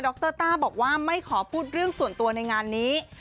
รต้าบอกว่าไม่ขอพูดเรื่องส่วนตัวในงานนี้